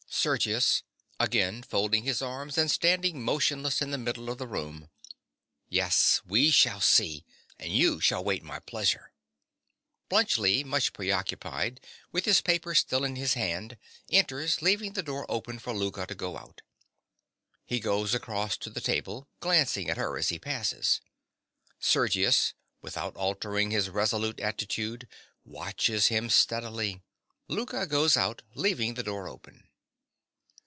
SERGIUS. (again folding his arms and standing motionless in the middle of the room). Yes, we shall see. And you shall wait my pleasure. (_Bluntschli, much preoccupied, with his papers still in his hand, enters, leaving the door open for Louka to go out. He goes across to the table, glancing at her as he passes. Sergius, without altering his resolute attitude, watches him steadily. Louka goes out, leaving the door open.